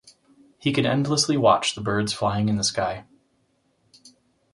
He can endlessly watch the birds flying in the sky.